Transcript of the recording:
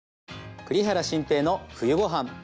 「栗原心平の冬ごはん」。